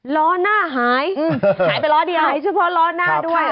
ล้อหน้าหายหายไปล้อเดียวหายเฉพาะล้อหน้าด้วย